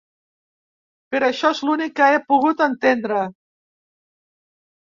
Però això és l'únic que he pogut entendre.